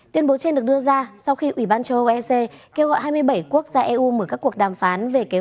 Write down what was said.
tuyên bố trên được đưa ra sau khi ủy ban châu âu ec kêu gọi hai mươi bảy quốc gia eu mở các cuộc đàm phán về kế hoạch